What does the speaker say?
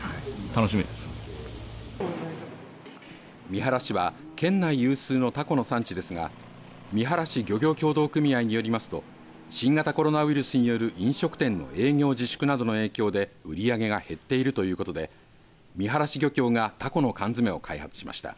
三原市は県内有数のたこの産地ですが三原市漁業協同組合によりますと新型コロナウイルスによる飲食店の営業自粛などの影響で売り上げが減っているということで三原市漁協がたこの缶詰を開発しました。